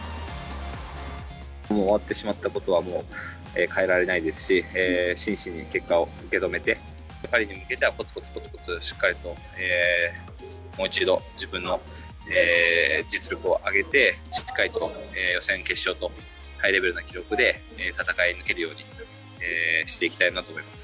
もう終わってしまったことは、もう変えられないですし、真摯に結果を受け止めて、パリに向けてこつこつこつこつしっかりと、もう一度、自分の実力を上げて、しっかりと予選、決勝と、ハイレベルな記録で戦い抜けるようにしていきたいなと思います。